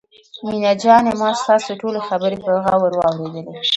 مينه جانې ما ستاسو ټولې خبرې په غور واورېدلې.